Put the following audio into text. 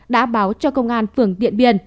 đã báo cho công an phường điện biên